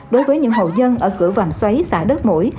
đối với những hộ dân ở cửa vàng xoáy xã đất mũi